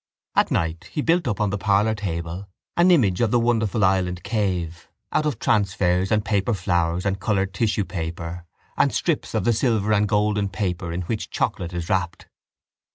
At night he built up on the parlour table an image of the wonderful island cave out of transfers and paper flowers and coloured tissue paper and strips of the silver and golden paper in which chocolate is wrapped.